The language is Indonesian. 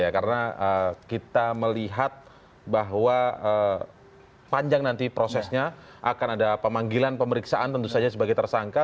karena kita melihat bahwa panjang nanti prosesnya akan ada pemanggilan pemeriksaan tentu saja sebagai tersangka